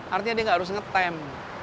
artinya dia tidak harus nge temp